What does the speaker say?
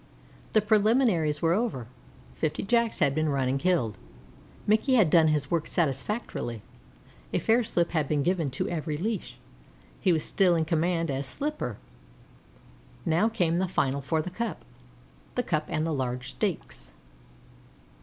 The preliminaries were over. Fifty Jacks had been run and killed. Mickey had done his work satisfactorily; a fair slip had been given to every leash. He was still in command as slipper. Now came the final for the cup the cup and the large stakes.